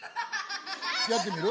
やってみる？